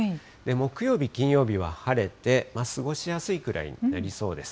木曜日、金曜日は晴れて、過ごしやすいくらいになりそうです。